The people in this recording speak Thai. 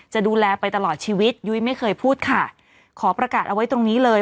จะดูแลไปตลอดชีวิตยุ้ยไม่เคยพูดค่ะขอประกาศเอาไว้ตรงนี้เลย